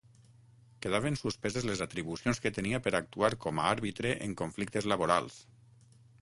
Quedaven suspeses les atribucions que tenia per actuar com a àrbitre en conflictes laborals.